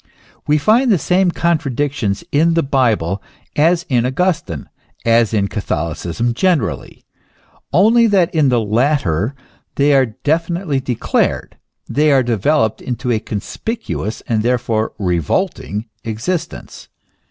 We find the same contradictions in the Bible as in Augustine, as in Catholicism generally; only that in the latter they are definitely declared, they are developed into a conspi cuous, and therefore revolting existence.